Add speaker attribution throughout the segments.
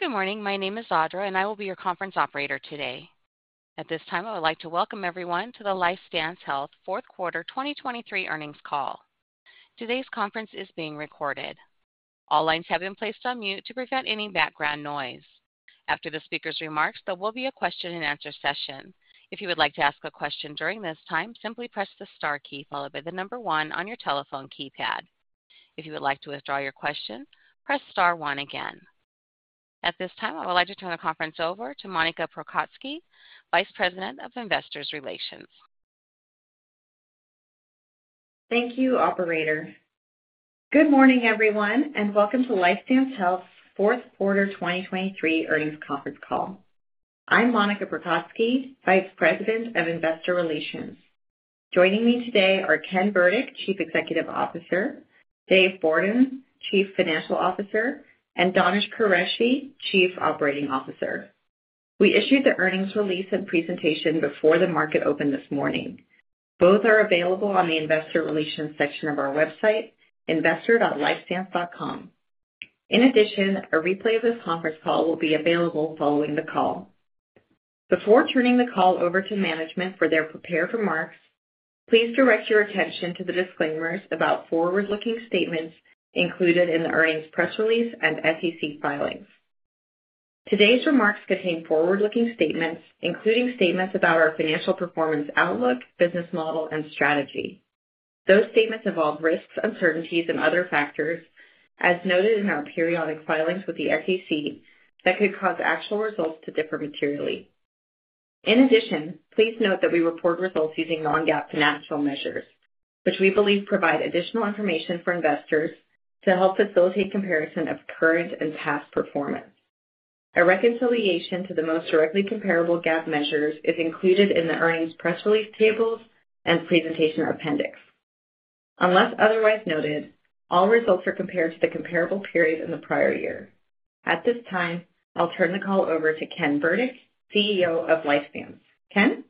Speaker 1: Good morning. My name is Audra, and I will be your conference operator today. At this time, I would like to welcome everyone to the LifeStance Health Fourth Quarter 2023 earnings call. Today's conference is being recorded. All lines have been placed on mute to prevent any background noise. After the speaker's remarks, there will be a question-and-answer session. If you would like to ask a question during this time, simply press the star key, followed by the number one on your telephone keypad. If you would like to withdraw your question, press star one again. At this time, I would like to turn the conference over to Monica Prokocki, Vice President of Investor Relations.
Speaker 2: Thank you, operator. Good morning, everyone, and welcome to LifeStance Health's fourth quarter 2023 earnings conference call. I'm Monica Prokocki, Vice President of Investor Relations. Joining me today are Ken Burdick, Chief Executive Officer; Dave Bourdon, Chief Financial Officer; and Danish Qureshi, Chief Operating Officer. We issued the earnings release and presentation before the market opened this morning. Both are available on the investor relations section of our website, investor.lifestance.com. In addition, a replay of this conference call will be available following the call. Before turning the call over to management for their prepared remarks, please direct your attention to the disclaimers about forward-looking statements included in the earnings press release and SEC filings. Today's remarks contain forward-looking statements, including statements about our financial performance outlook, business model, and strategy. Those statements involve risks, uncertainties, and other factors, as noted in our periodic filings with the SEC that could cause actual results to differ materially. In addition, please note that we report results using non-GAAP financial measures, which we believe provide additional information for investors to help facilitate comparison of current and past performance. A reconciliation to the most directly comparable GAAP measures is included in the earnings press release tables and presentation appendix. Unless otherwise noted, all results are compared to the comparable period in the prior year. At this time, I'll turn the call over to Ken Burdick, CEO of LifeStance. Ken?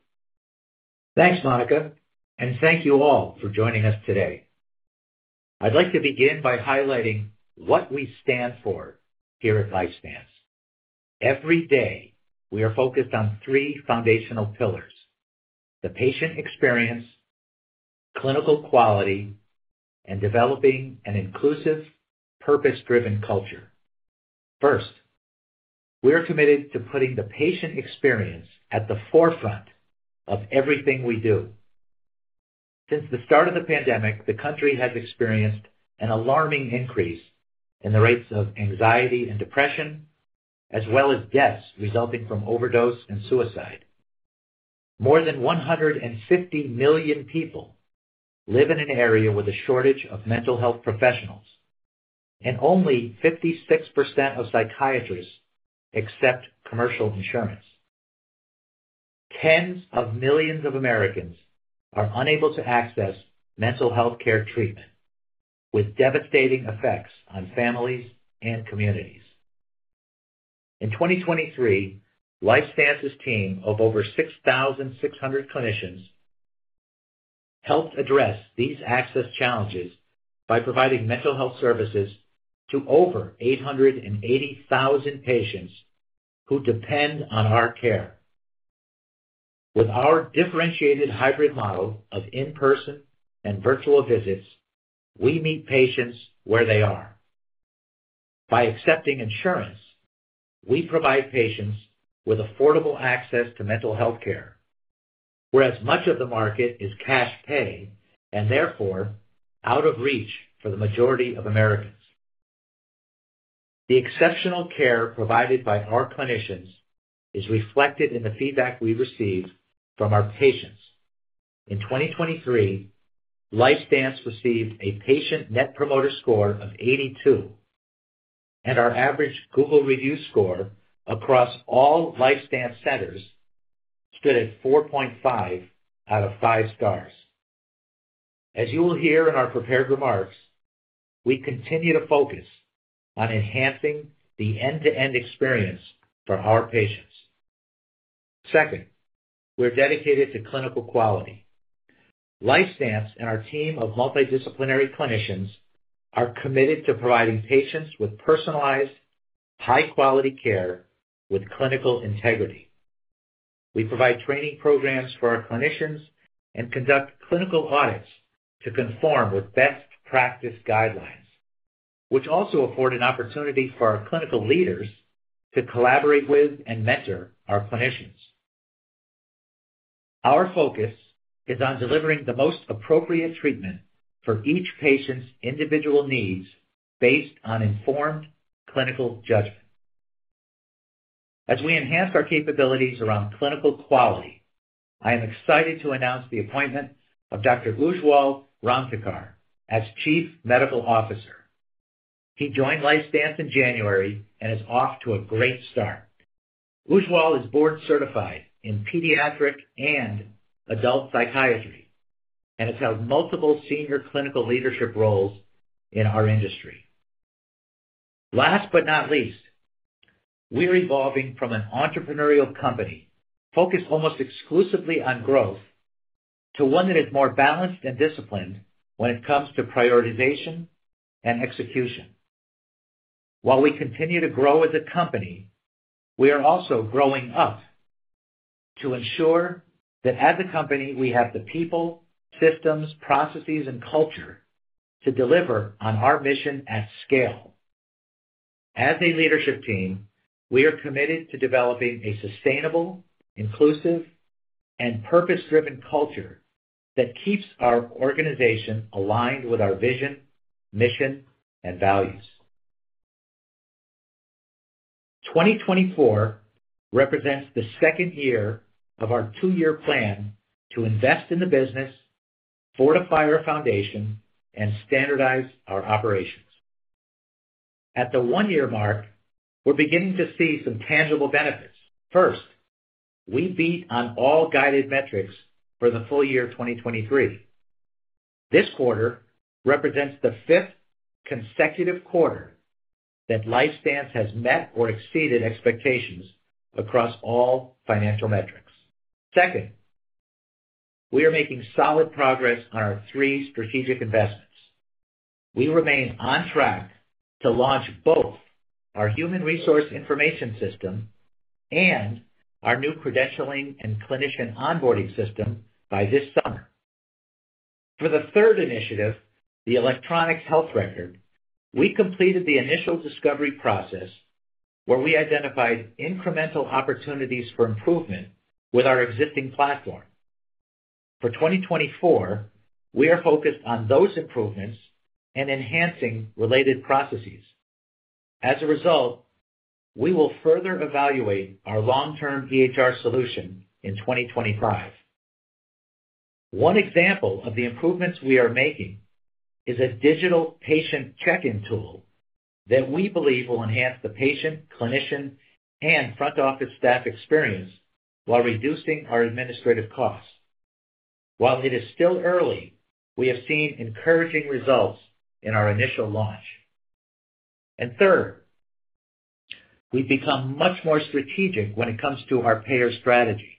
Speaker 3: Thanks, Monica, and thank you all for joining us today. I'd like to begin by highlighting what we stand for here at LifeStance. Every day, we are focused on three foundational pillars: the patient experience, clinical quality, and developing an inclusive, purpose-driven culture. First, we are committed to putting the patient experience at the forefront of everything we do. Since the start of the pandemic, the country has experienced an alarming increase in the rates of anxiety and depression, as well as deaths resulting from overdose and suicide. More than 150 million people live in an area with a shortage of mental health professionals, and only 56% of psychiatrists accept commercial insurance. Tens of millions of Americans are unable to access mental health care treatment, with devastating effects on families and communities. In 2023, LifeStance's team of over 6,600 clinicians helped address these access challenges by providing mental health services to over 880,000 patients who depend on our care. With our differentiated hybrid model of in-person and virtual visits, we meet patients where they are. By accepting insurance, we provide patients with affordable access to mental health care, whereas much of the market is cash pay and therefore out of reach for the majority of Americans. The exceptional care provided by our clinicians is reflected in the feedback we receive from our patients. In 2023, LifeStance received a patient net promoter score of 82, and our average Google review score across all LifeStance centers stood at 4.5 out of five stars. As you will hear in our prepared remarks, we continue to focus on enhancing the end-to-end experience for our patients. Second, we're dedicated to clinical quality. LifeStance and our team of multidisciplinary clinicians are committed to providing patients with personalized, high-quality care with clinical integrity. We provide training programs for our clinicians and conduct clinical audits to conform with best practice guidelines, which also afford an opportunity for our clinical leaders to collaborate with and mentor our clinicians. Our focus is on delivering the most appropriate treatment for each patient's individual needs based on informed clinical judgment. As we enhance our capabilities around clinical quality, I am excited to announce the appointment of Dr. Ujjwal Ramtekkar as Chief Medical Officer. He joined LifeStance in January and is off to a great start. Ujjwal is board certified in pediatric and adult psychiatry and has held multiple senior clinical leadership roles in our industry. Last but not least, we're evolving from an entrepreneurial company focused almost exclusively on growth-... to one that is more balanced and disciplined when it comes to prioritization and execution. While we continue to grow as a company, we are also growing up to ensure that as a company, we have the people, systems, processes, and culture to deliver on our mission at scale. As a leadership team, we are committed to developing a sustainable, inclusive, and purpose-driven culture that keeps our organization aligned with our vision, mission, and values. 2024 represents the second year of our two-year plan to invest in the business, fortify our foundation, and standardize our operations. At the one-year mark, we're beginning to see some tangible benefits. First, we beat on all guided metrics for the full year 2023. This quarter represents the fifth consecutive quarter that LifeStance has met or exceeded expectations across all financial metrics. Second, we are making solid progress on our three strategic investments. We remain on track to launch both our human resource information system and our new credentialing and clinician onboarding system by this summer. For the third initiative, the electronic health record, we completed the initial discovery process, where we identified incremental opportunities for improvement with our existing platform. For 2024, we are focused on those improvements and enhancing related processes. As a result, we will further evaluate our long-term EHR solution in 2025. One example of the improvements we are making is a digital patient check-in tool that we believe will enhance the patient, clinician, and front office staff experience while reducing our administrative costs. While it is still early, we have seen encouraging results in our initial launch. And third, we've become much more strategic when it comes to our payer strategy.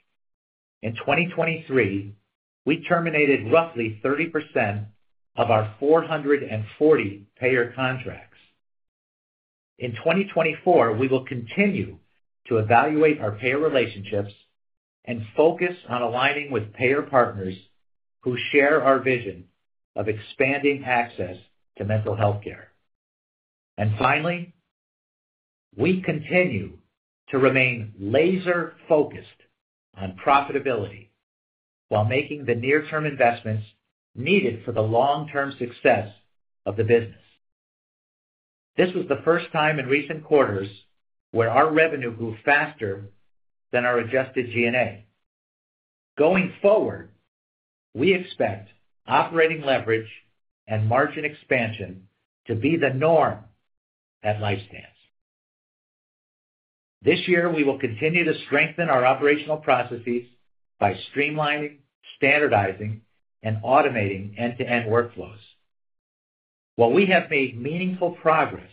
Speaker 3: In 2023, we terminated roughly 30% of our 440 payer contracts. In 2024, we will continue to evaluate our payer relationships and focus on aligning with payer partners who share our vision of expanding access to mental health care. Finally, we continue to remain laser focused on profitability while making the near-term investments needed for the long-term success of the business. This was the first time in recent quarters where our revenue grew faster than our adjusted G&A. Going forward, we expect operating leverage and margin expansion to be the norm at LifeStance. This year, we will continue to strengthen our operational processes by streamlining, standardizing, and automating end-to-end workflows. While we have made meaningful progress,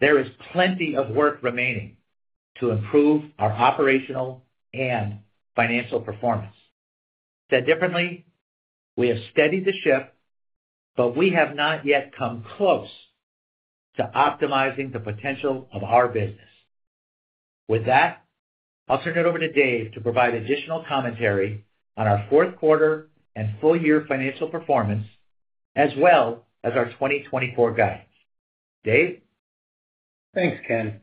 Speaker 3: there is plenty of work remaining to improve our operational and financial performance. Said differently, we have steadied the ship, but we have not yet come close to optimizing the potential of our business. With that, I'll turn it over to Dave to provide additional commentary on our fourth quarter and full year financial performance, as well as our 2024 guidance. Dave?
Speaker 4: Thanks, Ken.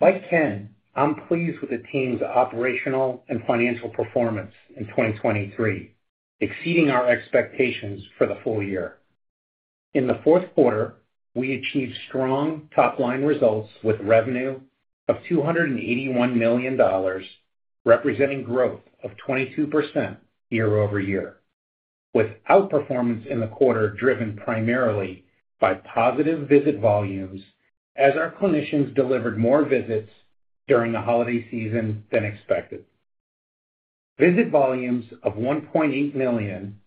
Speaker 4: Like Ken, I'm pleased with the team's operational and financial performance in 2023, exceeding our expectations for the full year. In the fourth quarter, we achieved strong top-line results, with revenue of $281 million, representing growth of 22% year-over-year, with outperformance in the quarter driven primarily by positive visit volumes as our clinicians delivered more visits during the holiday season than expected. Visit volumes of 1.8 million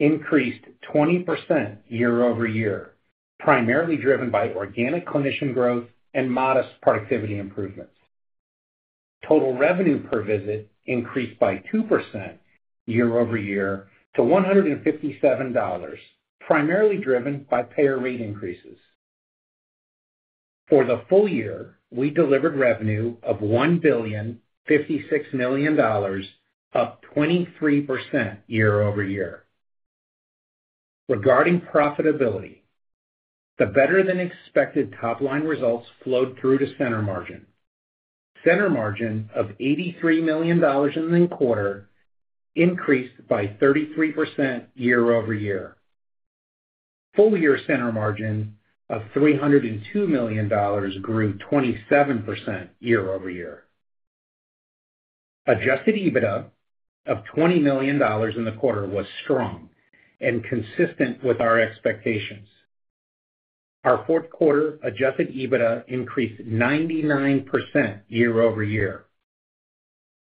Speaker 4: increased 20% year-over-year, primarily driven by organic clinician growth and modest productivity improvements. Total revenue per visit increased by 2% year-over-year to $157, primarily driven by payer rate increases. For the full year, we delivered revenue of $1,056 million, up 23% year-over-year. Regarding profitability, the better-than-expected top-line results flowed through to Center Margin. Center Margin of $83 million in the quarter increased by 33% year-over-year. Full-year Center Margin of $302 million grew 27% year-over-year. Adjusted EBITDA of $20 million in the quarter was strong and consistent with our expectations. Our fourth quarter Adjusted EBITDA increased 99% year-over-year.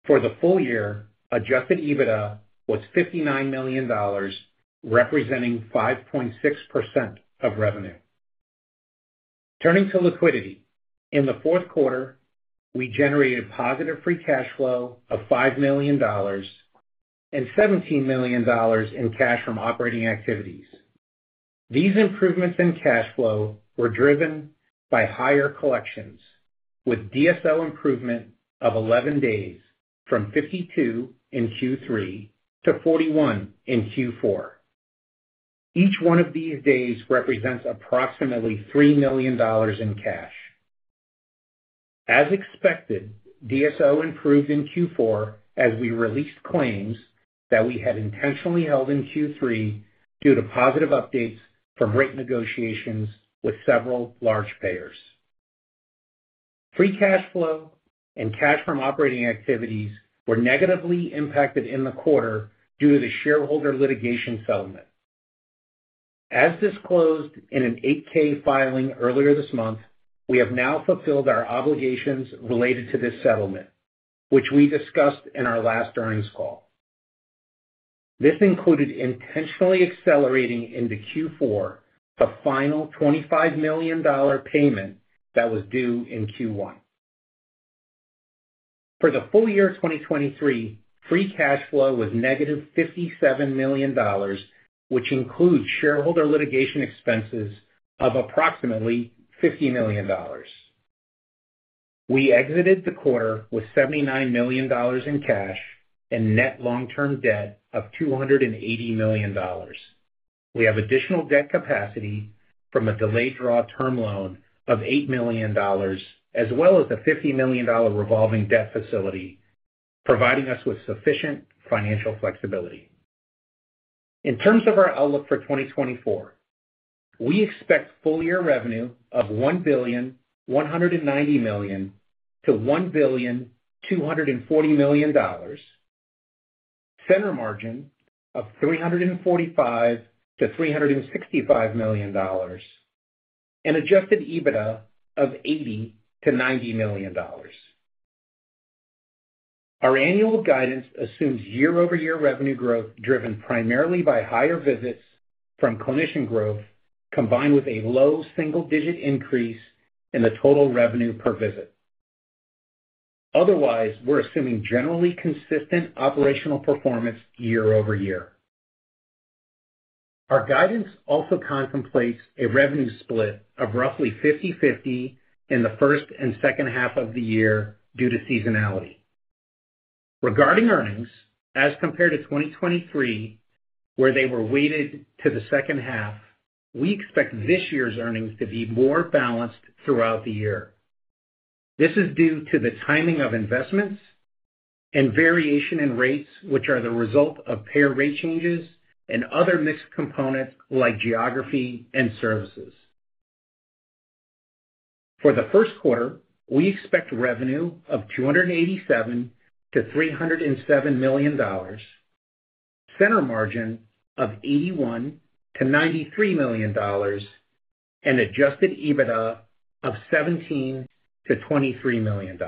Speaker 4: For the full year, Adjusted EBITDA was $59 million, representing 5.6% of revenue. Turning to liquidity. In the fourth quarter, we generated positive free cash flow of $5 million and $17 million in cash from operating activities. These improvements in cash flow were driven by higher collections, with DSO improvement of 11 days from 52 in Q3 to 41 in Q4. Each one of these days represents approximately $3 million in cash. As expected, DSO improved in Q4 as we released claims that we had intentionally held in Q3 due to positive updates from rate negotiations with several large payers. Free cash flow and cash from operating activities were negatively impacted in the quarter due to the shareholder litigation settlement. As disclosed in an 8-K filing earlier this month, we have now fulfilled our obligations related to this settlement, which we discussed in our last earnings call. This included intentionally accelerating into Q4, the final $25 million payment that was due in Q1. For the full year of 2023, free cash flow was negative $57 million, which includes shareholder litigation expenses of approximately $50 million. We exited the quarter with $79 million in cash and net long-term debt of $280 million. We have additional debt capacity from a delayed draw term loan of $8 million, as well as a $50 million revolving debt facility, providing us with sufficient financial flexibility. In terms of our outlook for 2024, we expect full year revenue of $1.19 billion-$1.24 billion, Center Margin of $345 million-$365 million, and Adjusted EBITDA of $80 million-$90 million. Our annual guidance assumes year-over-year revenue growth, driven primarily by higher visits from clinician growth, combined with a low single digit increase in the total revenue per visit. Otherwise, we're assuming generally consistent operational performance year over year. Our guidance also contemplates a revenue split of roughly 50/50 in the first and second half of the year due to seasonality. Regarding earnings, as compared to 2023, where they were weighted to the second half, we expect this year's earnings to be more balanced throughout the year. This is due to the timing of investments and variation in rates, which are the result of payer rate changes and other mixed components like geography and services. For the first quarter, we expect revenue of $287 million-$307 million, center margin of $81 million-$93 million, and Adjusted EBITDA of $17 million-$23 million.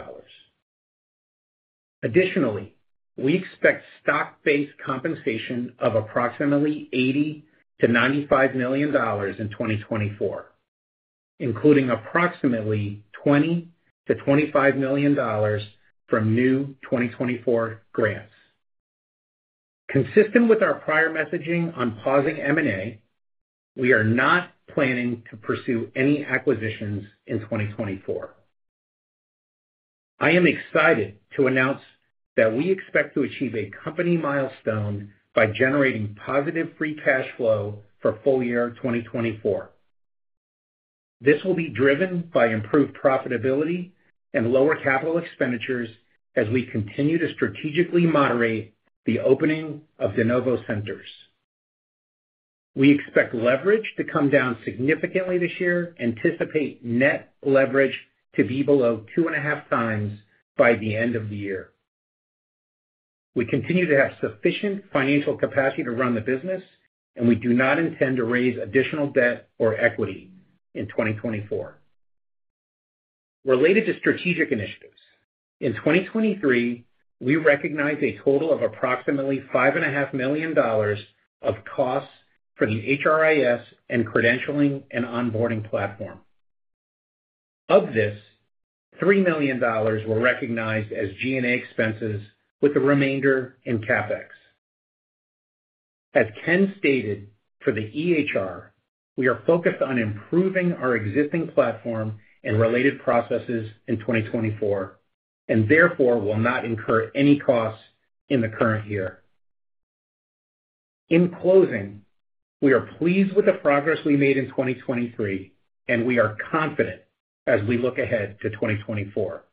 Speaker 4: Additionally, we expect stock-based compensation of approximately $80 million-$95 million in 2024, including approximately $20 million-$25 million from new 2024 grants. Consistent with our prior messaging on pausing M&A, we are not planning to pursue any acquisitions in 2024. I am excited to announce that we expect to achieve a company milestone by generating positive free cash flow for full year 2024. This will be driven by improved profitability and lower capital expenditures as we continue to strategically moderate the opening of de novo centers. We expect leverage to come down significantly this year, anticipate net leverage to be below 2.5 times by the end of the year. We continue to have sufficient financial capacity to run the business, and we do not intend to raise additional debt or equity in 2024. Related to strategic initiatives, in 2023, we recognized a total of approximately $5.5 million of costs for the HRIS and credentialing and onboarding platform. Of this, $3 million were recognized as G&A expenses, with the remainder in CapEx. As Ken stated, for the EHR, we are focused on improving our existing platform and related processes in 2024, and therefore will not incur any costs in the current year. In closing, we are pleased with the progress we made in 2023, and we are confident as we look ahead to 2024.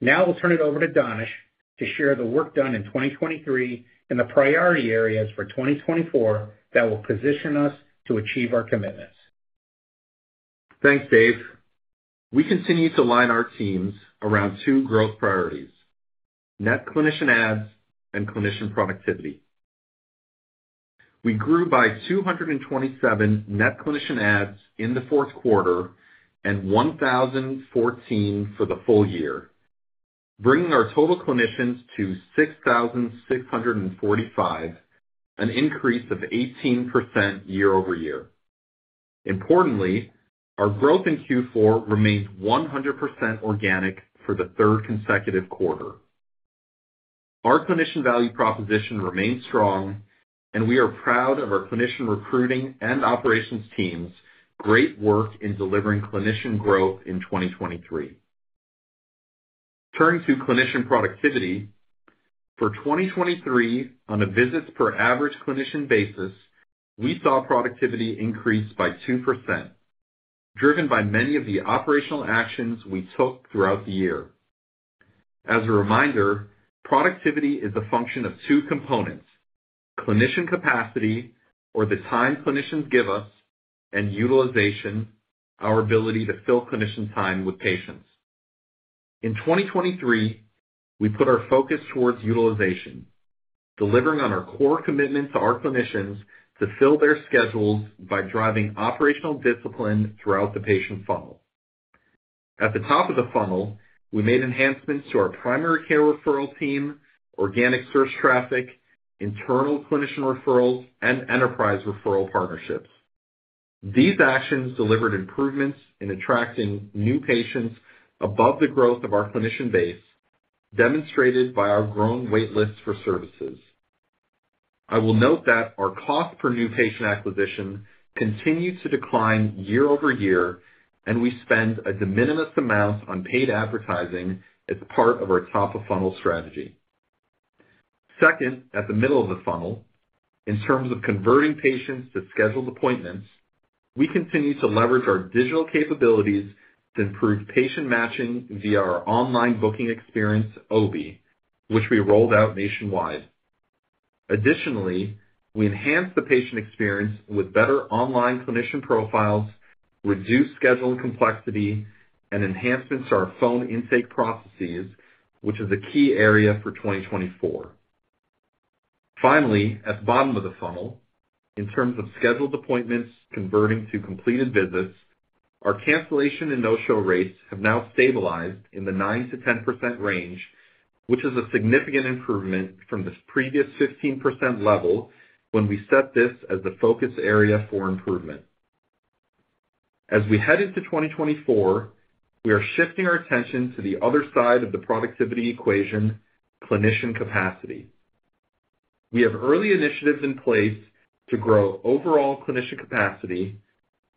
Speaker 4: Now, we'll turn it over to Danish to share the work done in 2023 and the priority areas for 2024 that will position us to achieve our commitments.
Speaker 5: Thanks, Dave. We continue to align our teams around two growth priorities: net clinician adds and clinician productivity. We grew by 227 net clinician adds in the fourth quarter and 1,014 for the full year, bringing our total clinicians to 6,645, an increase of 18% year-over-year. Importantly, our growth in Q4 remained 100% organic for the third consecutive quarter. Our clinician value proposition remains strong, and we are proud of our clinician recruiting and operations teams' great work in delivering clinician growth in 2023. Turning to clinician productivity, for 2023, on a visits per average clinician basis, we saw productivity increase by 2%, driven by many of the operational actions we took throughout the year. As a reminder, productivity is a function of two components: clinician capacity, or the time clinicians give us, and utilization, our ability to fill clinician time with patients. In 2023, we put our focus towards utilization, delivering on our core commitment to our clinicians to fill their schedules by driving operational discipline throughout the patient funnel. At the top of the funnel, we made enhancements to our primary care referral team, organic search traffic, internal clinician referrals, and enterprise referral partnerships. These actions delivered improvements in attracting new patients above the growth of our clinician base, demonstrated by our growing wait lists for services. I will note that our cost per new patient acquisition continues to decline year-over-year, and we spend a de minimis amount on paid advertising as part of our top-of-funnel strategy. Second, at the middle of the funnel, in terms of converting patients to scheduled appointments, we continue to leverage our digital capabilities to improve patient matching via our online booking experience, OBE, which we rolled out nationwide. Additionally, we enhanced the patient experience with better online clinician profiles, reduced scheduling complexity, and enhancements to our phone intake processes, which is a key area for 2024. Finally, at the bottom of the funnel, in terms of scheduled appointments converting to completed visits, our cancellation and no-show rates have now stabilized in the 9%-10% range, which is a significant improvement from the previous 15% level when we set this as the focus area for improvement. As we head into 2024, we are shifting our attention to the other side of the productivity equation, clinician capacity. We have early initiatives in place to grow overall clinician capacity,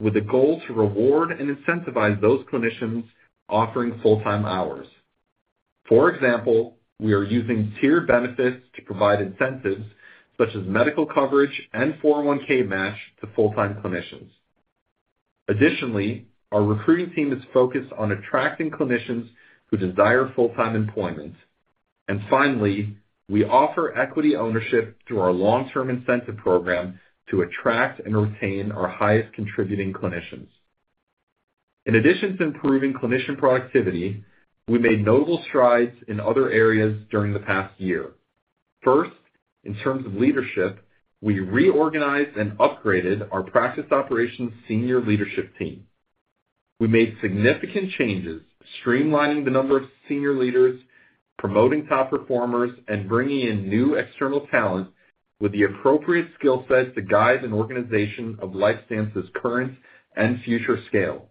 Speaker 5: with a goal to reward and incentivize those clinicians offering full-time hours. For example, we are using tiered benefits to provide incentives such as medical coverage and 401(k) match to full-time clinicians. Additionally, our recruiting team is focused on attracting clinicians who desire full-time employment. And finally, we offer equity ownership through our long-term incentive program to attract and retain our highest contributing clinicians. In addition to improving clinician productivity, we made notable strides in other areas during the past year. First, in terms of leadership, we reorganized and upgraded our practice operations senior leadership team. We made significant changes, streamlining the number of senior leaders, promoting top performers, and bringing in new external talent with the appropriate skill set to guide an organization of LifeStance's current and future scale.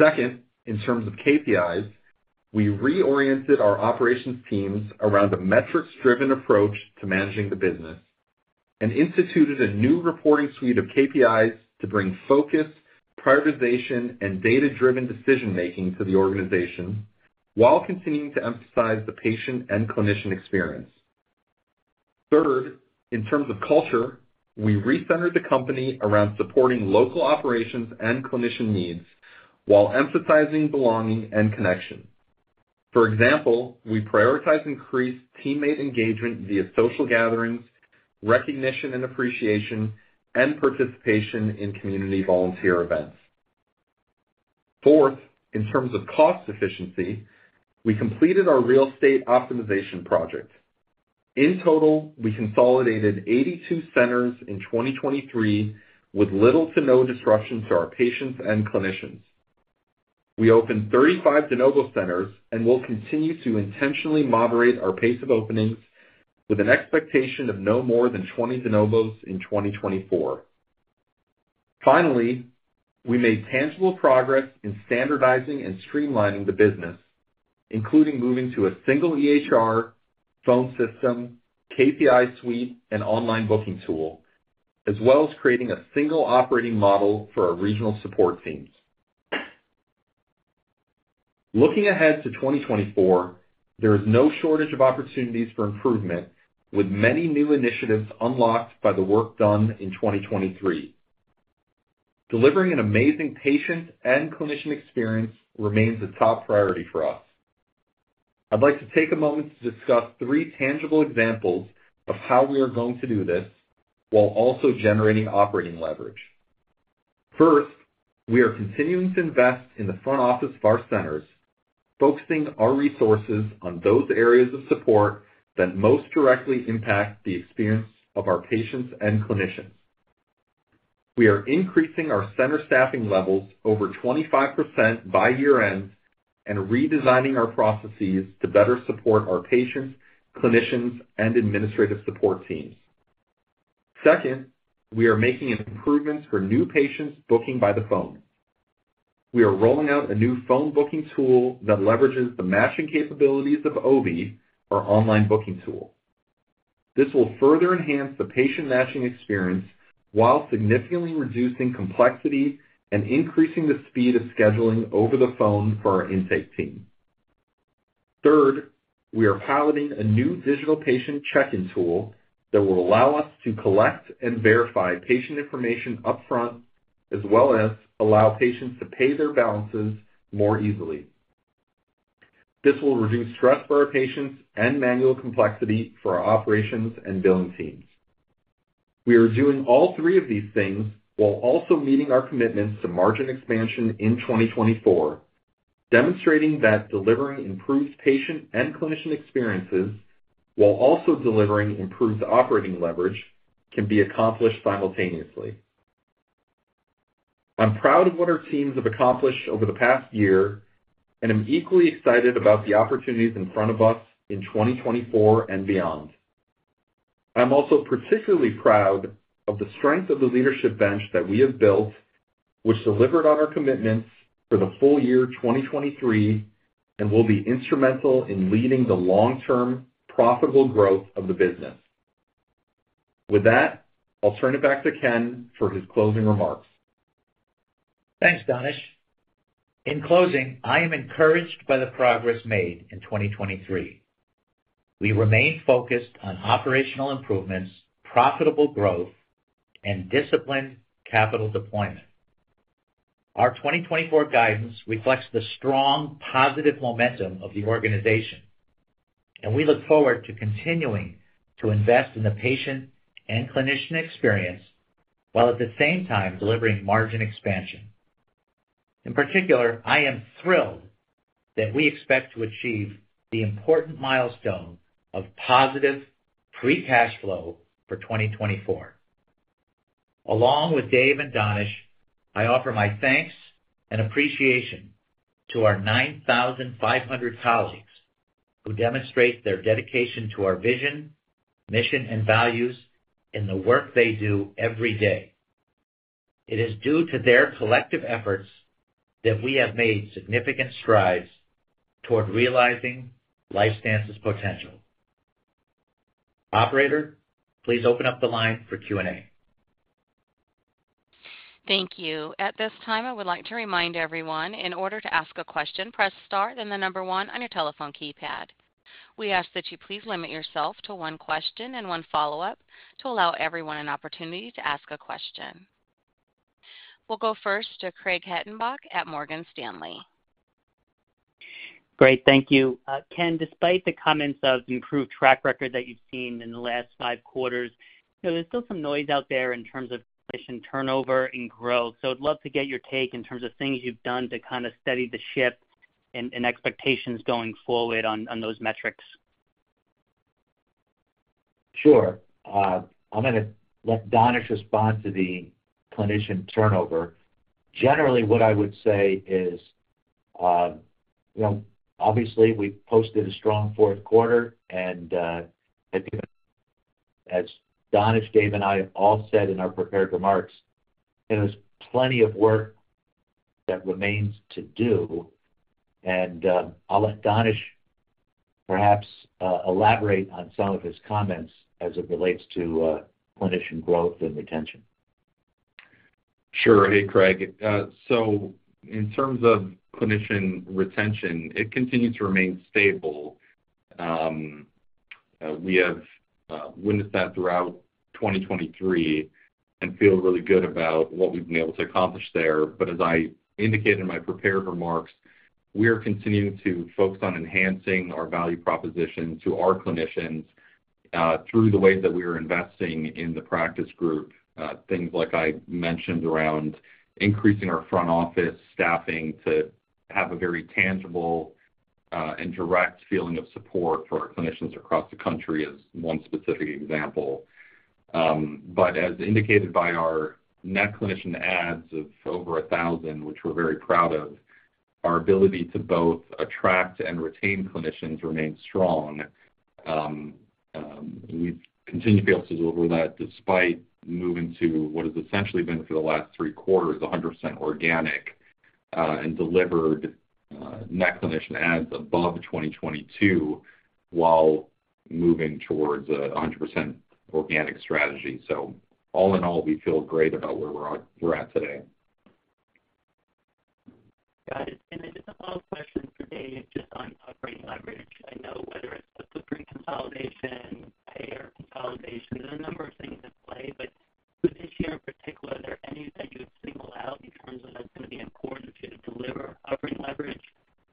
Speaker 5: Second, in terms of KPIs, we reoriented our operations teams around a metrics-driven approach to managing the business and instituted a new reporting suite of KPIs to bring focus, prioritization, and data-driven decision making to the organization, while continuing to emphasize the patient and clinician experience. Third, in terms of culture, we recentered the company around supporting local operations and clinician needs while emphasizing belonging and connection. For example, we prioritize increased teammate engagement via social gatherings, recognition and appreciation, and participation in community volunteer events. Fourth, in terms of cost efficiency, we completed our real estate optimization project. In total, we consolidated 82 centers in 2023 with little to no disruption to our patients and clinicians. We opened 35 de novo centers and will continue to intentionally moderate our pace of openings with an expectation of no more than 20 de novos in 2024. Finally, we made tangible progress in standardizing and streamlining the business, including moving to a single EHR, phone system, KPI suite, and online booking tool, as well as creating a single operating model for our regional support teams. Looking ahead to 2024, there is no shortage of opportunities for improvement, with many new initiatives unlocked by the work done in 2023. Delivering an amazing patient and clinician experience remains a top priority for us. I'd like to take a moment to discuss three tangible examples of how we are going to do this while also generating operating leverage. First, we are continuing to invest in the front office of our centers, focusing our resources on those areas of support that most directly impact the experience of our patients and clinicians.... We are increasing our center staffing levels over 25% by year-end and redesigning our processes to better support our patients, clinicians, and administrative support teams. Second, we are making improvements for new patients booking by the phone. We are rolling out a new phone booking tool that leverages the matching capabilities of OB, our online booking tool. This will further enhance the patient matching experience while significantly reducing complexity and increasing the speed of scheduling over the phone for our intake team. Third, we are piloting a new digital patient check-in tool that will allow us to collect and verify patient information upfront, as well as allow patients to pay their balances more easily. This will reduce stress for our patients and manual complexity for our operations and billing teams. We are doing all three of these things while also meeting our commitments to margin expansion in 2024, demonstrating that delivering improved patient and clinician experiences, while also delivering improved operating leverage, can be accomplished simultaneously. I'm proud of what our teams have accomplished over the past year, and I'm equally excited about the opportunities in front of us in 2024 and beyond. I'm also particularly proud of the strength of the leadership bench that we have built, which delivered on our commitments for the full year 2023 and will be instrumental in leading the long-term profitable growth of the business. With that, I'll turn it back to Ken for his closing remarks.
Speaker 3: Thanks, Danish. In closing, I am encouraged by the progress made in 2023. We remain focused on operational improvements, profitable growth, and disciplined capital deployment. Our 2024 guidance reflects the strong positive momentum of the organization, and we look forward to continuing to invest in the patient and clinician experience, while at the same time delivering margin expansion. In particular, I am thrilled that we expect to achieve the important milestone of positive free cash flow for 2024. Along with Dave and Danish, I offer my thanks and appreciation to our 9,500 colleagues, who demonstrate their dedication to our vision, mission, and values in the work they do every day. It is due to their collective efforts that we have made significant strides toward realizing LifeStance's potential. Operator, please open up the line for Q&A.
Speaker 1: Thank you. At this time, I would like to remind everyone, in order to ask a question, press Star, then the number One on your telephone keypad. We ask that you please limit yourself to one question and one follow-up to allow everyone an opportunity to ask a question. We'll go first to Craig Hettenbach at Morgan Stanley.
Speaker 6: Great, thank you. Ken, despite the comments of improved track record that you've seen in the last five quarters, you know, there's still some noise out there in terms of clinician turnover and growth. So I'd love to get your take in terms of things you've done to kind of steady the ship and, and expectations going forward on, on those metrics.
Speaker 3: Sure. I'm going to let Danish respond to the clinician turnover. Generally, what I would say is, you know, obviously, we posted a strong fourth quarter, and, as Danish, Dave, and I have all said in our prepared remarks, there is plenty of work that remains to do. I'll let Danish perhaps elaborate on some of his comments as it relates to clinician growth and retention.
Speaker 5: Sure. Hey, Craig. So in terms of clinician retention, it continues to remain stable. We have witnessed that throughout 2023 and feel really good about what we've been able to accomplish there. But as I indicated in my prepared remarks, we are continuing to focus on enhancing our value proposition to our clinicians, through the ways that we are investing in the practice group. Things like I mentioned around increasing our front office staffing to have a very tangible and direct feeling of support for our clinicians across the country is one specific example. But as indicated by our Net Clinician Adds of over 1,000, which we're very proud of, our ability to both attract and retain clinicians remains strong. We've continued to be able to deliver that despite moving to what has essentially been, for the last three quarters, 100% organic, and delivered net clinician adds above 2022 while moving towards 100% organic strategy. So all in all, we feel great about where we're at today.
Speaker 6: Got it. And then just a follow-up question for Dave, just on operating leverage. I know whether it's the footprint consolidation, payer consolidation, there are a number of things in play, but for this year in particular, are there any that you would single out in terms of what's going to be important to deliver operating leverage?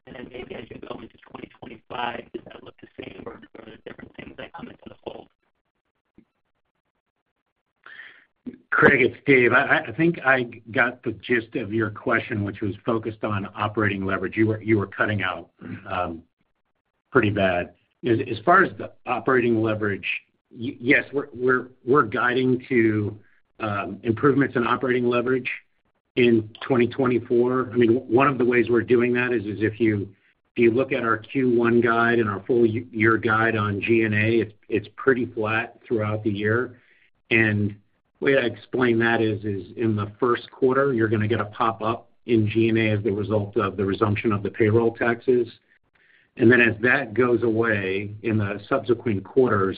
Speaker 6: And then maybe as you go into 2025, does that look the same, or are there different things that come into the fold?
Speaker 4: Craig, it's Dave. I think I got the gist of your question, which was focused on operating leverage. You were cutting out.... pretty bad. As far as the operating leverage, yes, we're guiding to improvements in operating leverage in 2024. I mean, one of the ways we're doing that is if you look at our Q1 guide and our full year guide on G&A, it's pretty flat throughout the year. And the way I explain that is in the first quarter, you're gonna get a pop-up in G&A as the result of the resumption of the payroll taxes. And then as that goes away in the subsequent quarters,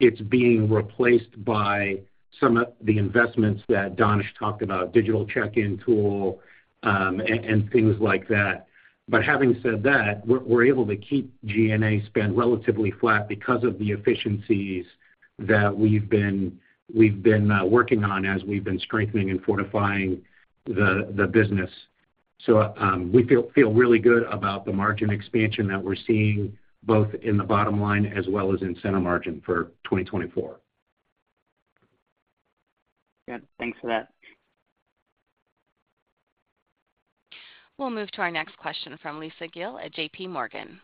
Speaker 4: it's being replaced by some of the investments that Danish talked about, digital check-in tool, and things like that.
Speaker 3: But having said that, we're able to keep G&A spend relatively flat because of the efficiencies that we've been working on as we've been strengthening and fortifying the business. So, we feel really good about the margin expansion that we're seeing, both in the bottom line as well as in center margin for 2024.
Speaker 6: Good. Thanks for that.
Speaker 1: We'll move to our next question from Lisa Gill at JPMorgan.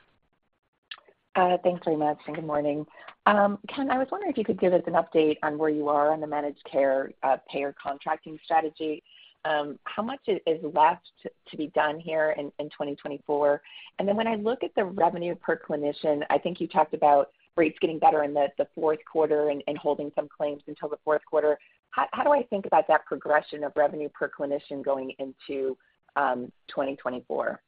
Speaker 7: Thanks, Lisa, and good morning. Ken, I was wondering if you could give us an update on where you are on the managed care payer contracting strategy. How much is left to be done here in 2024? And then when I look at the revenue per clinician, I think you talked about rates getting better in the fourth quarter and holding some claims until the fourth quarter. How do I think about that progression of revenue per clinician going into 2024?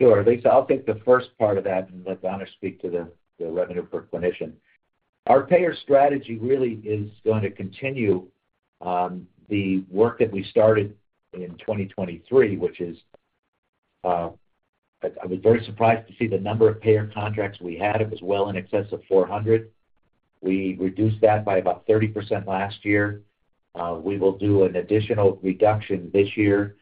Speaker 3: Sure, Lisa. I'll take the first part of that and let Danish speak to the revenue per clinician. Our payer strategy really is going to continue the work that we started in 2023, which is, I was very surprised to see the number of payer contracts we had. It was well in excess of 400. We reduced that by about 30% last year. We will do an additional reduction this year,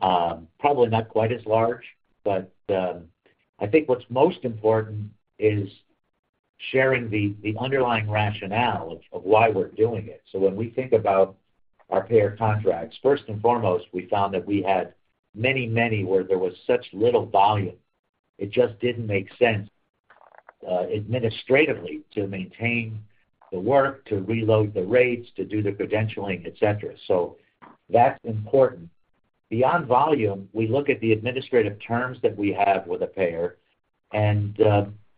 Speaker 3: probably not quite as large, but I think what's most important is sharing the underlying rationale of why we're doing it. So when we think about our payer contracts, first and foremost, we found that we had many, many, where there was such little volume, it just didn't make sense administratively, to maintain the work, to reload the rates, to do the credentialing, et cetera. So that's important. Beyond volume, we look at the administrative terms that we have with a payer, and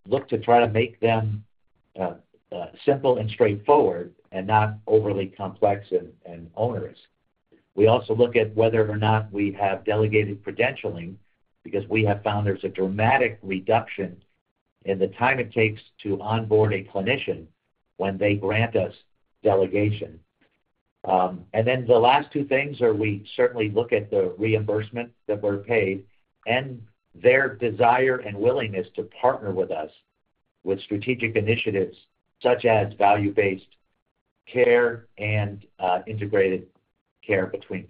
Speaker 3: look to try to make them simple and straightforward and not overly complex and onerous. We also look at whether or not we have delegated credentialing, because we have found there's a dramatic reduction in the time it takes to onboard a clinician when they grant us delegation. And then the last two things are, we certainly look at the reimbursement that we're paid and their desire and willingness to partner with us with strategic initiatives, such as value-based care and integrated care between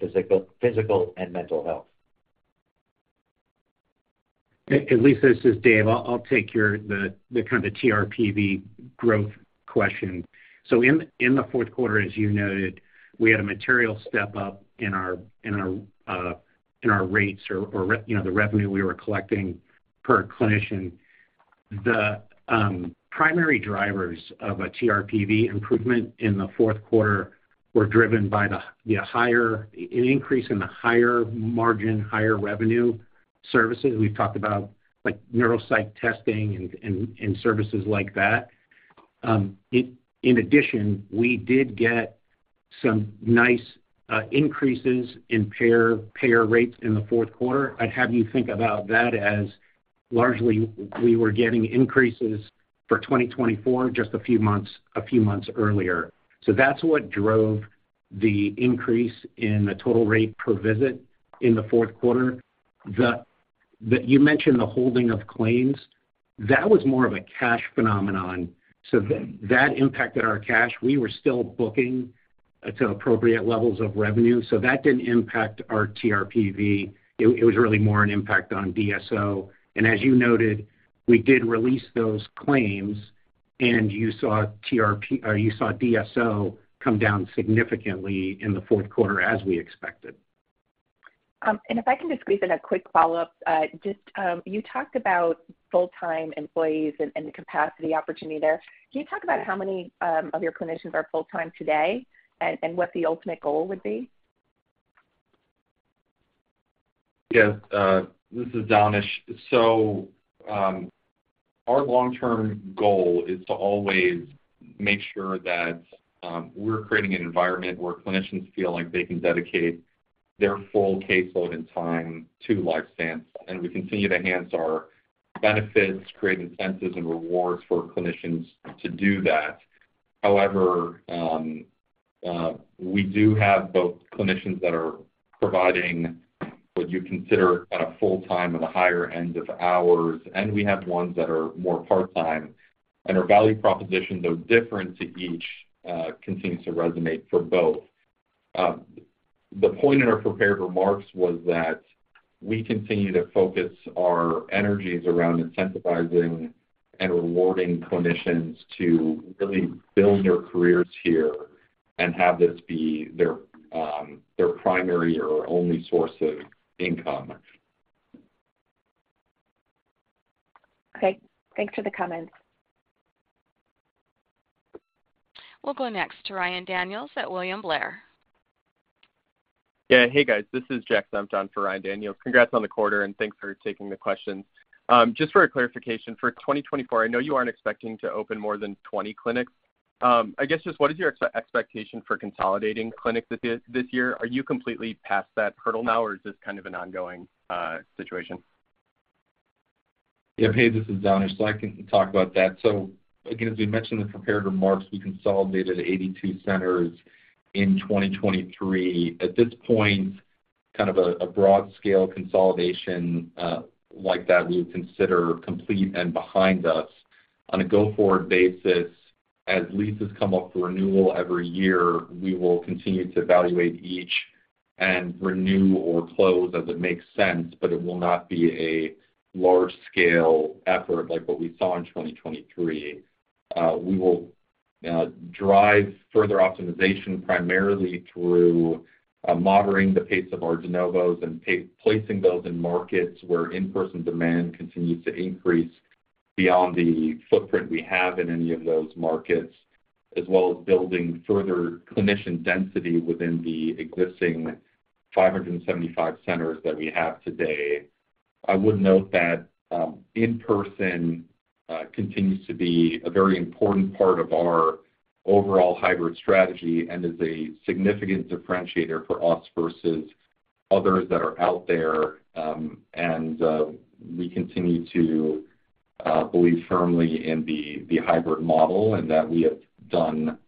Speaker 3: physical and mental health.
Speaker 4: Hey, Lisa, this is Dave. I'll take your, the kind of TRPV growth question. So in the fourth quarter, as you noted, we had a material step-up in our rates or, you know, the revenue we were collecting per clinician. The primary drivers of a TRPV improvement in the fourth quarter were driven by the higher, an increase in the higher margin, higher revenue services. We've talked about, like, neuropsych testing and services like that. In addition, we did get some nice increases in payer rates in the fourth quarter. I'd have you think about that as largely we were getting increases for 2024, just a few months earlier. So that's what drove the increase in the total rate per visit in the fourth quarter. You mentioned the holding of claims. That was more of a cash phenomenon, so that impacted our cash. We were still booking to appropriate levels of revenue, so that didn't impact our TRPV. It was really more an impact on DSO. And as you noted, we did release those claims, and you saw DSO come down significantly in the fourth quarter, as we expected.
Speaker 7: If I can just squeeze in a quick follow-up. Just, you talked about full-time employees and, and the capacity opportunity there. Can you talk about how many of your clinicians are full-time today, and, and what the ultimate goal would be?
Speaker 5: Yes, this is Danish. So, our long-term goal is to always make sure that we're creating an environment where clinicians feel like they can dedicate their full caseload and time to LifeStance, and we continue to enhance our benefits, create incentives and rewards for clinicians to do that. However, we do have both clinicians that are providing what you'd consider a full-time at a higher end of hours, and we have ones that are more part-time. And our value proposition, though different to each, continues to resonate for both. The point in our prepared remarks was that we continue to focus our energies around incentivizing and rewarding clinicians to really build their careers here... and have this be their, their primary or only source of income.
Speaker 7: Okay, thanks for the comments.
Speaker 1: We'll go next to Ryan Daniels at William Blair.
Speaker 8: Yeah. Hey, guys, this is Jack Sumpter on for Ryan Daniels. Congrats on the quarter, and thanks for taking the questions. Just for a clarification, for 2024, I know you aren't expecting to open more than 20 clinics. I guess just what is your expectation for consolidating clinics this year, this year? Are you completely past that hurdle now, or is this kind of an ongoing situation?
Speaker 5: Yeah. Hey, this is Danish. So I can talk about that. So again, as we mentioned in the prepared remarks, we consolidated 82 centers in 2023. At this point, kind of a broad-scale consolidation like that, we would consider complete and behind us. On a go-forward basis, as leases come up for renewal every year, we will continue to evaluate each and renew or close as it makes sense, but it will not be a large-scale effort like what we saw in 2023. We will drive further optimization, primarily through moderating the pace of our de novos and placing those in markets where in-person demand continues to increase beyond the footprint we have in any of those markets, as well as building further clinician density within the existing 575 centers that we have today. I would note that, in-person, continues to be a very important part of our overall hybrid strategy and is a significant differentiator for us versus others that are out there. We continue to believe firmly in the hybrid model, and that we have done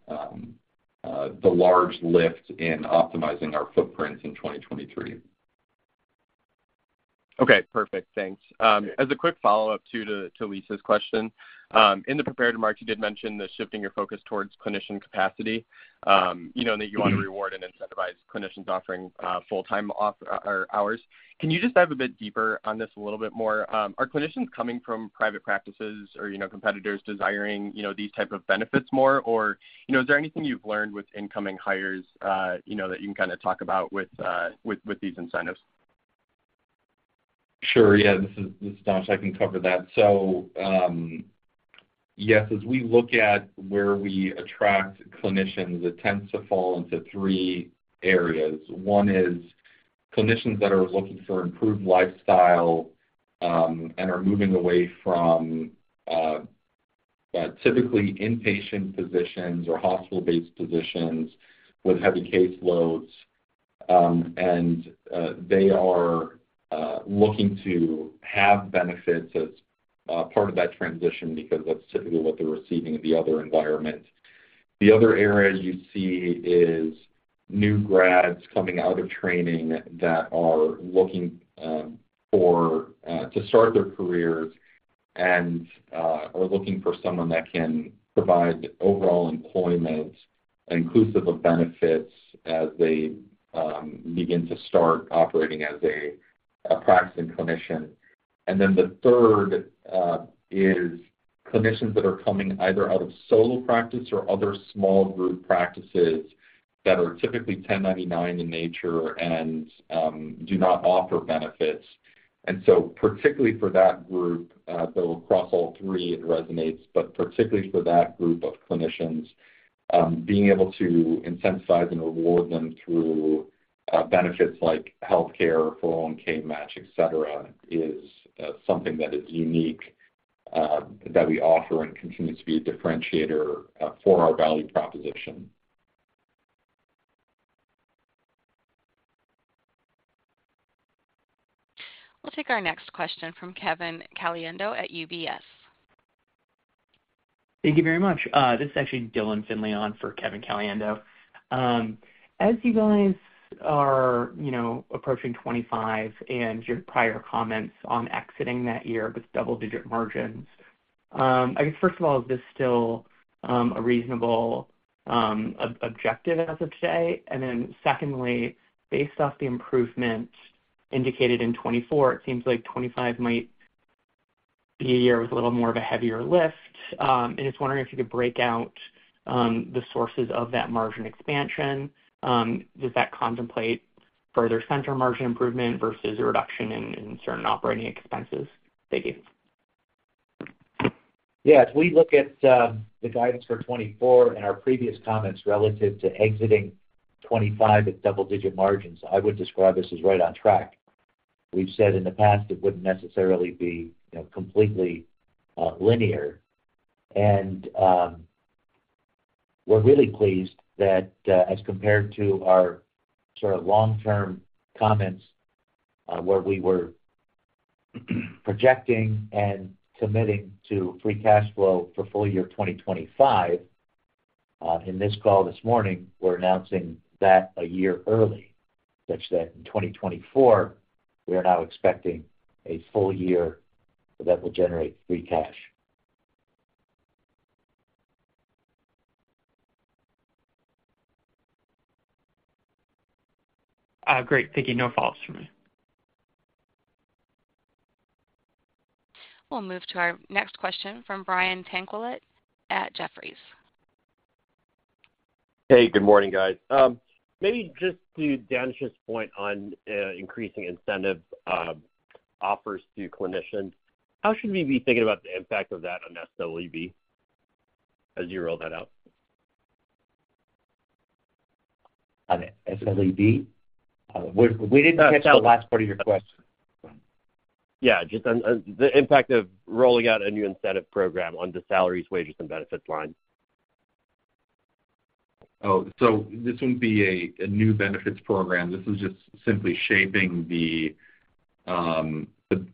Speaker 5: the large lift in optimizing our footprint in 2023.
Speaker 8: Okay, perfect. Thanks. As a quick follow-up too, to Lisa's question, in the prepared remarks, you did mention the shifting your focus towards clinician capacity. You know, that you want to reward and incentivize clinicians offering, full-time off or hours. Can you just dive a bit deeper on this a little bit more? Are clinicians coming from private practices or, you know, competitors desiring, you know, these type of benefits more? Or, you know, is there anything you've learned with incoming hires, you know, that you can kinda talk about with these incentives?
Speaker 5: Sure. Yeah, this is Danish. I can cover that. So, yes, as we look at where we attract clinicians, it tends to fall into three areas. One is clinicians that are looking for improved lifestyle, and are moving away from typically inpatient physicians or hospital-based physicians with heavy caseloads. And they are looking to have benefits as part of that transition because that's typically what they're receiving in the other environment. The other area you see is new grads coming out of training that are looking to start their careers and are looking for someone that can provide overall employment, inclusive of benefits, as they begin to start operating as a practicing clinician. And then the third is clinicians that are coming either out of solo practice or other small group practices that are typically 1099 in nature and do not offer benefits. And so, particularly for that group, though across all three it resonates, but particularly for that group of clinicians, being able to incentivize and reward them through benefits like healthcare, 401(k) match, et cetera, is something that is unique that we offer and continues to be a differentiator for our value proposition.
Speaker 1: We'll take our next question from Kevin Caliendo at UBS.
Speaker 9: Thank you very much. This is actually Dylan Finley on for Kevin Caliendo. As you guys are, you know, approaching 2025 and your prior comments on exiting that year with double-digit margins, I guess, first of all, is this still a reasonable objective as of today? And then secondly, based off the improvement indicated in 2024, it seems like 2025 might be a year with a little more of a heavier lift. And just wondering if you could break out the sources of that margin expansion. Does that contemplate further center margin improvement versus a reduction in certain operating expenses? Thank you.
Speaker 3: Yeah. If we look at the guidance for 2024 and our previous comments relative to exiting 2025 at double-digit margins, I would describe this as right on track. We've said in the past, it wouldn't necessarily be, you know, completely linear. And we're really pleased that as compared to our sort of long-term comments, where we were projecting and committing to free cash flow for full year 2025, in this call this morning, we're announcing that a year early, such that in 2024, we are now expecting a full year that will generate free cash.
Speaker 9: Great. Thank you. No follows from me....
Speaker 1: We'll move to our next question from Brian Tanquilut at Jefferies.
Speaker 10: Hey, good morning, guys. Maybe just to Danish's point on increasing incentive offers to clinicians, how should we be thinking about the impact of that on SLEB as you roll that out?
Speaker 3: On SLEB? We didn't catch the last part of your question.
Speaker 10: Yeah, just on, the impact of rolling out a new incentive program on the salaries, wages, and benefits line.
Speaker 5: Oh, so this wouldn't be a new benefits program. This is just simply shaping the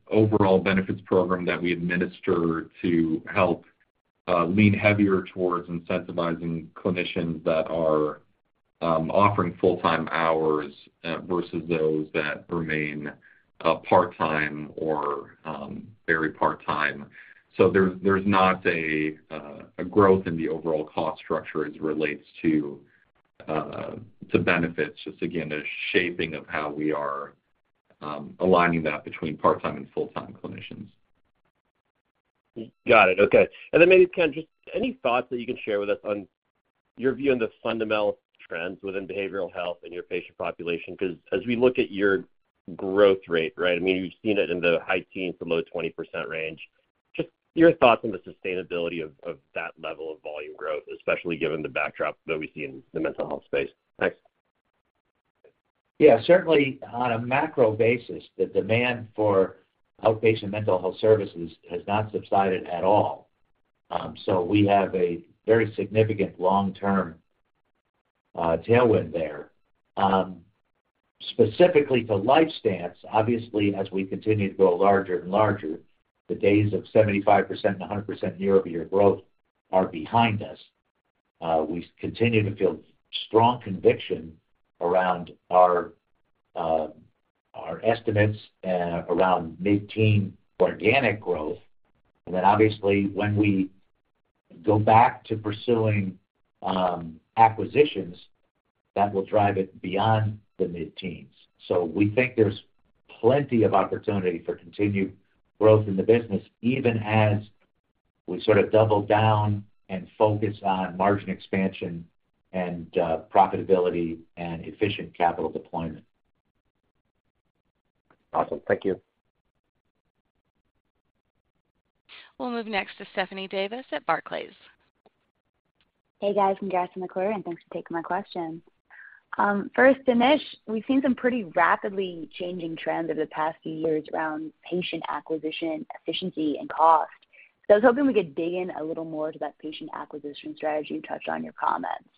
Speaker 5: overall benefits program that we administer to help lean heavier towards incentivizing clinicians that are offering full-time hours versus those that remain part-time or very part-time. So there's not a growth in the overall cost structure as it relates to benefits. Just again, a shaping of how we are aligning that between part-time and full-time clinicians.
Speaker 10: Got it. Okay. And then maybe, Ken, just any thoughts that you can share with us on your view on the fundamental trends within behavioral health and your patient population? 'Cause as we look at your growth rate, right, I mean, we've seen it in the high teens to low 20% range. Just your thoughts on the sustainability of that level of volume growth, especially given the backdrop that we see in the mental health space. Thanks.
Speaker 3: Yeah, certainly on a macro basis, the demand for outpatient mental health services has not subsided at all. So we have a very significant long-term tailwind there. Specifically to LifeStance, obviously, as we continue to grow larger and larger, the days of 75% and 100% year-over-year growth are behind us. We continue to feel strong conviction around our estimates and around mid-teen organic growth. And then, obviously, when we go back to pursuing acquisitions, that will drive it beyond the mid-teens. So we think there's plenty of opportunity for continued growth in the business, even as we sort of double down and focus on margin expansion and profitability and efficient capital deployment.
Speaker 10: Awesome. Thank you.
Speaker 1: We'll move next to Stephanie Davis at Barclays.
Speaker 11: Hey, guys, from McClure, and thanks for taking my question. First, Danish, we've seen some pretty rapidly changing trends over the past few years around patient acquisition, efficiency, and cost. I was hoping we could dig in a little more to that patient acquisition strategy you touched on in your comments.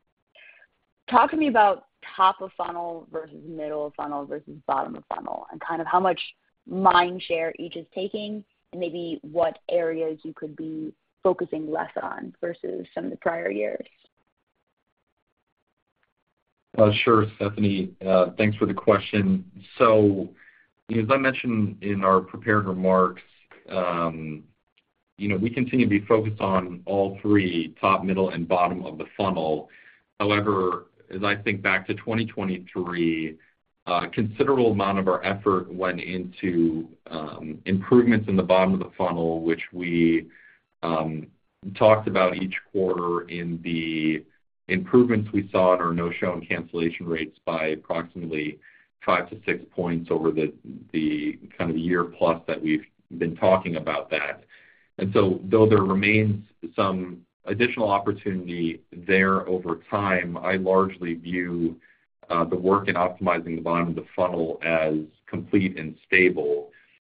Speaker 11: Talk to me about top of funnel versus middle of funnel versus bottom of funnel, and kind of how much mind share each is taking, and maybe what areas you could be focusing less on versus some of the prior years.
Speaker 5: Sure, Stephanie, thanks for the question. So as I mentioned in our prepared remarks, you know, we continue to be focused on all three, top, middle, and bottom of the funnel. However, as I think back to 2023, a considerable amount of our effort went into improvements in the bottom of the funnel, which we talked about each quarter in the improvements we saw in our no-show and cancellation rates by approximately 5-6 points over the kind of year plus that we've been talking about that. And so though there remains some additional opportunity there over time, I largely view the work in optimizing the bottom of the funnel as complete and stable.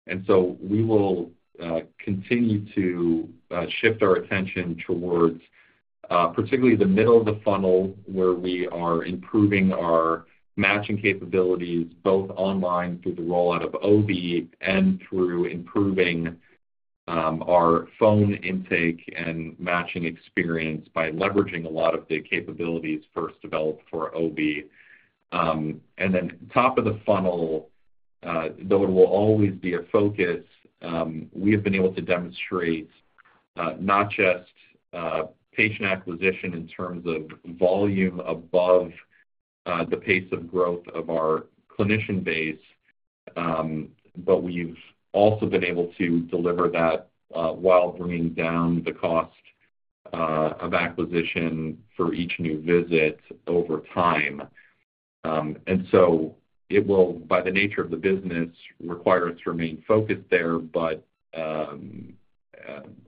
Speaker 5: And so we will continue to shift our attention towards particularly the middle of the funnel, where we are improving our matching capabilities, both online through the rollout of OB and through improving our phone intake and matching experience by leveraging a lot of the capabilities first developed for OB. And then top of the funnel, though it will always be a focus, we have been able to demonstrate not just patient acquisition in terms of volume above the pace of growth of our clinician base, but we've also been able to deliver that while bringing down the cost of acquisition for each new visit over time. And so it will, by the nature of the business, require us to remain focused there.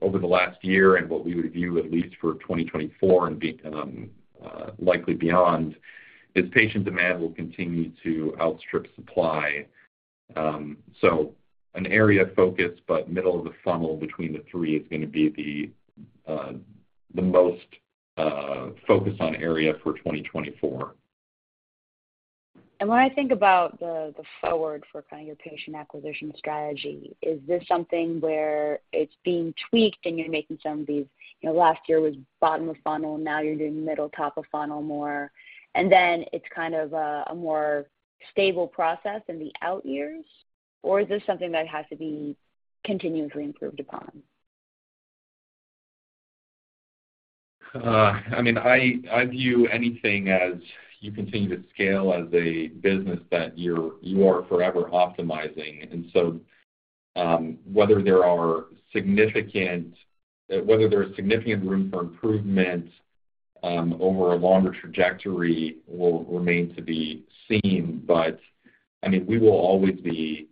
Speaker 5: Over the last year and what we would view at least for 2024 and likely beyond, is patient demand will continue to outstrip supply. So an area of focus, but middle of the funnel between the three is gonna be the most focus on area for 2024.
Speaker 11: When I think about the forward for kind of your patient acquisition strategy, is this something where it's being tweaked and you're making some of these... You know, last year was bottom of funnel, now you're doing middle, top of funnel more, and then it's kind of a more stable process in the out years? Or is this something that has to be continuously improved upon?...
Speaker 5: I mean, I view anything as you continue to scale as a business that you are forever optimizing. And so, whether there is significant room for improvement over a longer trajectory will remain to be seen. But, I mean, we will always be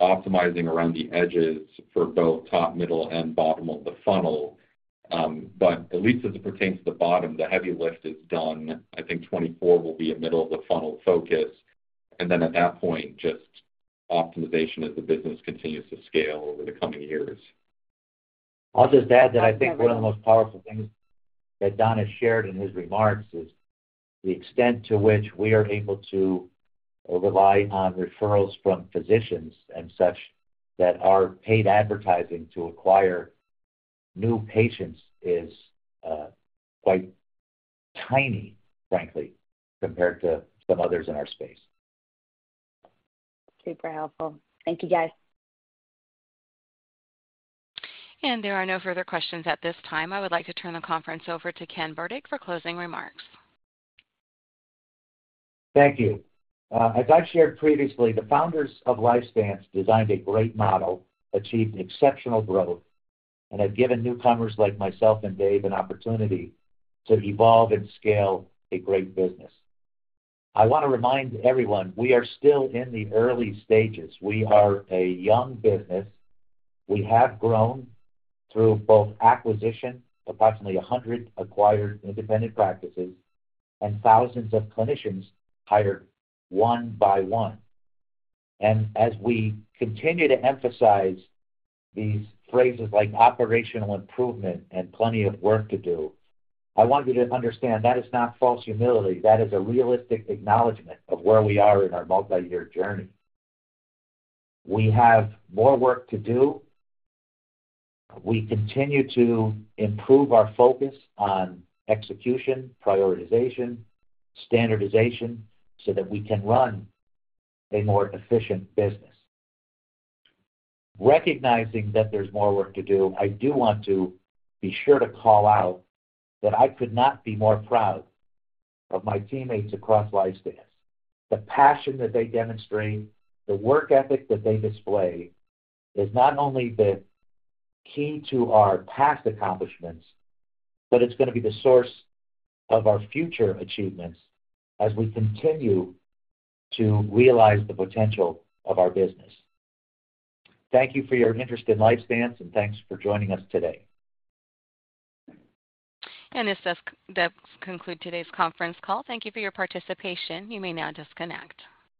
Speaker 5: optimizing around the edges for both top, middle, and bottom of the funnel. But at least as it pertains to the bottom, the heavy lift is done. I think 2024 will be a middle-of-the-funnel focus, and then at that point, just optimization as the business continues to scale over the coming years.
Speaker 3: I'll just add that I think one of the most powerful things that Don has shared in his remarks is the extent to which we are able to rely on referrals from physicians and such, that our paid advertising to acquire new patients is quite tiny, frankly, compared to some others in our space.
Speaker 11: Super helpful. Thank you, guys.
Speaker 1: There are no further questions at this time. I would like to turn the conference over to Ken Burdick for closing remarks.
Speaker 3: Thank you. As I've shared previously, the founders of LifeStance designed a great model, achieved exceptional growth, and have given newcomers like myself and Dave an opportunity to evolve and scale a great business. I wanna remind everyone, we are still in the early stages. We are a young business. We have grown through both acquisition, approximately 100 acquired independent practices, and thousands of clinicians hired one by one. And as we continue to emphasize these phrases like operational improvement and plenty of work to do, I want you to understand that is not false humility. That is a realistic acknowledgment of where we are in our multiyear journey. We have more work to do. We continue to improve our focus on execution, prioritization, standardization, so that we can run a more efficient business. Recognizing that there's more work to do, I do want to be sure to call out that I could not be more proud of my teammates across LifeStance. The passion that they demonstrate, the work ethic that they display, is not only the key to our past accomplishments, but it's gonna be the source of our future achievements as we continue to realize the potential of our business. Thank you for your interest in LifeStance, and thanks for joining us today.
Speaker 1: This does conclude today's conference call. Thank you for your participation. You may now disconnect.